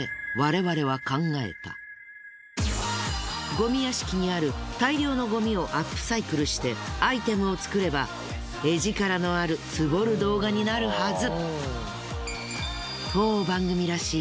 ゴミ屋敷にある大量のゴミをアップサイクルしてアイテムを作れば絵力のあるツボる動画になるはず。